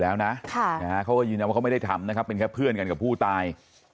แล้วนะที่นั้นไม่ได้ทำแล้วครับเพื่อนกันกับผู้ตาย